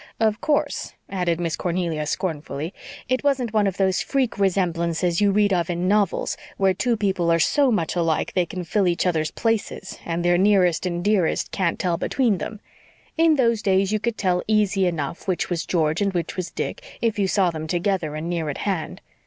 Of course," added Miss Cornelia scornfully, "it wasn't one of those freak resemblances you read of in novels where two people are so much alike that they can fill each other's places and their nearest and dearest can't tell between them. In those days you could tell easy enough which was George and which was Dick, if you saw them together and near at hand.